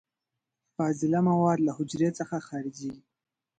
فاضله مواد له حجرې څخه خارجیږي.